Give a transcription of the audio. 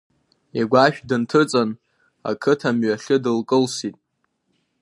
Игәашә дынҭыҵын, ақыҭа мҩахьы дылкылсит.